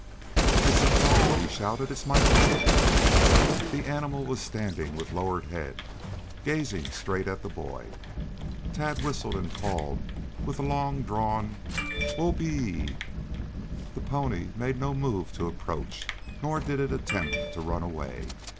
"It's a pony!" he shouted. "It's my pony!" The animal was standing with lowered head, gazing straight at the boy. Tad whistled and called with a long drawn "Whoa oo ope!" The pony made no move to approach, nor did it attempt to run away.